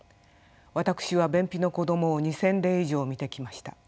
私は便秘の子どもを２，０００例以上診てきました。